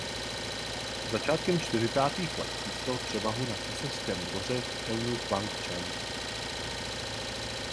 Začátkem čtyřicátých let získal převahu na císařském dvoře eunuch Wang Čen.